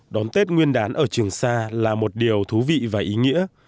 đón tết nguyên đán ở trường sa là một điều thú vị và ý nghĩa